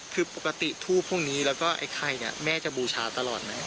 คือปกติทูปพวกนี้แล้วก็ไอ้ไข่เนี่ยแม่จะบูชาตลอดไหม